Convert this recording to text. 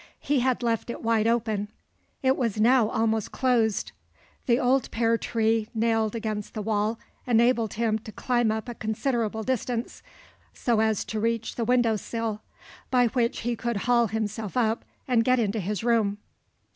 He had left it wide open; it was now almost closed. The old pear tree nailed against the wall enabled him to climb up a considerable distance, so as to reach the window sill, by which he could haul himself up, and get into his room.